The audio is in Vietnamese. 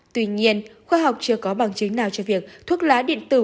tuy nhiên khoa học chưa có bằng chứng nào cho việc thuốc lá điện tử